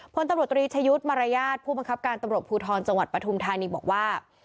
พลตำรวจตรีชะยุทธ์มารยาทผู้บังคับการตำรวจภูทรจังหวัดปฐุมธานีบอกว่า